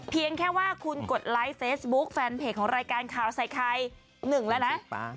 เพียงแค่ว่าคุณกดไลค์เฟซบุ๊คแฟนเพจของรายการข่าวใส่ไข่๑แล้วนะ